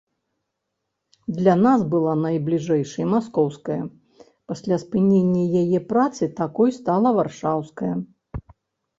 Для нас была найбліжэйшай маскоўская, пасля спынення яе працы такой стала варшаўская.